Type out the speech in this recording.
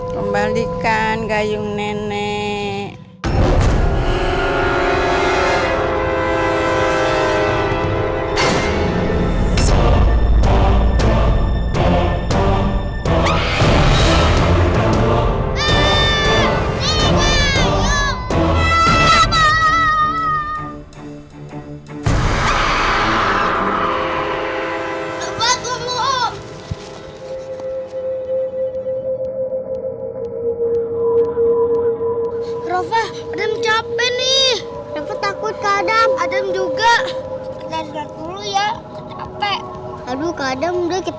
kembalikan gayung nenek